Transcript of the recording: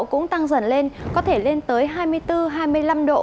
cũng tăng dần lên có thể lên tới hai mươi bốn hai mươi năm độ